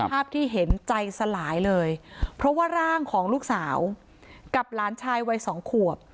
ภาพที่เห็นใจสลายเลยเพราะว่าร่างของลูกสาวกับหลานชายวัยสองขวบ